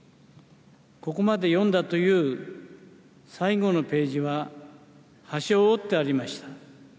ここまで読んだという最後のページは、端を折ってありました。